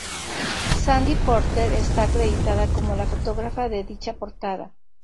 Sandy Porter está acreditada como la fotógrafa de dicha portada.